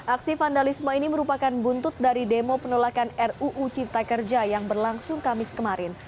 aksi vandalisme ini merupakan buntut dari demo penolakan ruu cipta kerja yang berlangsung kamis kemarin